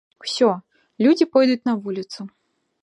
Усё, людзі пойдуць на вуліцу.